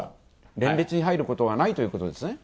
連立に入ることはないということですね。